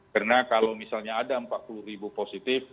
karena kalau misalnya ada empat puluh ribu positif